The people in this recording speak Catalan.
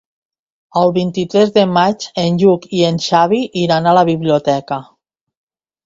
El vint-i-tres de maig en Lluc i en Xavi iran a la biblioteca.